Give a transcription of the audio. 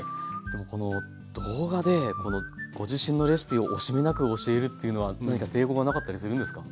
でもこの動画でご自身のレシピを惜しみなく教えるというのは何か抵抗がなかったりするんですか？